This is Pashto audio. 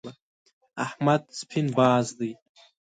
احمد سپين باز دی.